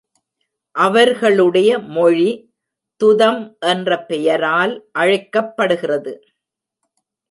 அவர்களுடைய மொழி துதம் என்ற பெயரால் அழைக்கப்படுகிறது.